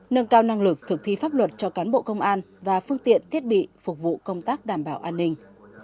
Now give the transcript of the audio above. nâng cao năng lực thực thi pháp luật cho cán bộ công an và phương tiện thiết bị phục vụ công tác đảm bảo an ninh